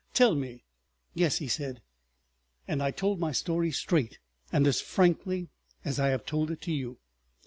Tell me. "Yes," he said; and I told my story straight and as frankly as I have told it to you.